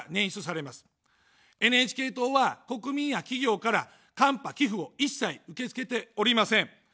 ＮＨＫ党は国民や企業からカンパ、寄付を一切受け付けておりません。